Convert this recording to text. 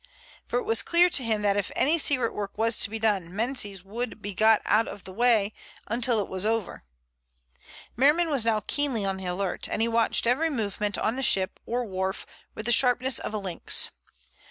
For it was clear to him that if any secret work was to be done Menzies would be got out of the way until it was over. Merriman was now keenly on the alert, and he watched every movement on the ship or wharf with the sharpness of a lynx.